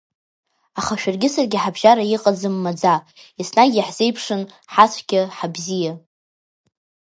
Аха шәаргьы саргьы ҳабжьара иҟаӡам маӡа, еснагь иаҳзеиԥшын ҳацәгьа-ҳабзиа…